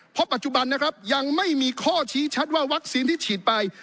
เพราะปัจจุบันนะครับยังไม่มีข้อชี้ชัดว่าวัคซีนที่ฉีดไป